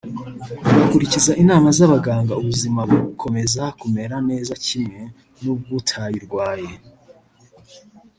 ugakurikiza inama z’abaganga ubuzima bukomeza kumera neza kimwe n’ubw’utayirwaye